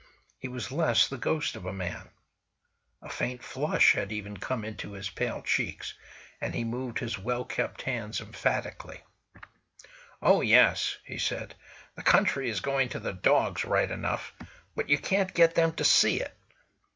He was less the ghost of a man. A faint flush even had come into his pale cheeks, and he moved his well kept hands emphatically. "Oh, yes!" he said: "The country is going to the dogs, right enough; but you can't get them to see it.